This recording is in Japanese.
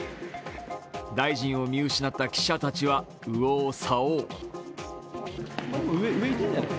大臣を見失った記者たちは右往左往。